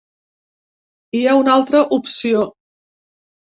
Hi ha una altra opció.